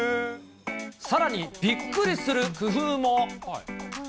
さらに、びっくりする工夫も。